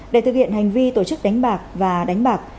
để thực hiện hành vi tổ chức đánh bạc và đánh bạc